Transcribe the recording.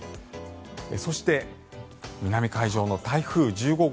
そして、南海上の台風１５号。